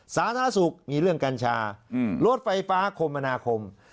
สาธารณสุขมีเรื่องกัญชารถไฟฟ้าคมมนาคม